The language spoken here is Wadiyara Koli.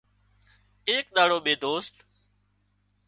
ايڪ ۮاڙو ٻي دوست